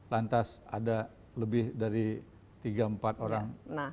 lantas ada lebih dari tiga empat orang